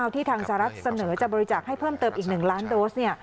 ที่ทางสหรัฐเสนอจะบริจาคให้เพิ่มเติมอีก๑ล้านโดส